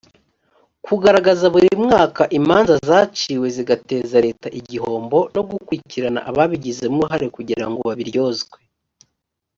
kugaragaza buri mwaka imanza zaciwe zigateza leta igihombo no gukurikirana ababigizemo uruhare kugira ngo babiryozwe